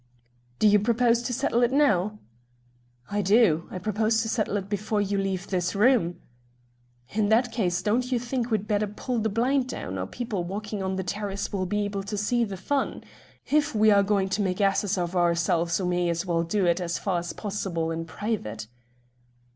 "Do you propose to settle it now?" "I do. I propose to settle it before you leave this room." "In that case don't you think we'd better pull the blind down, or people walking on the terrace will be able to see the fun? If we are going to make asses of ourselves, we may as well do it, as far as possible, in private."